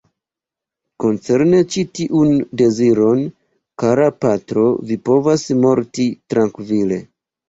Koncerne ĉi tiun deziron, kara patro, vi povas morti trankvile.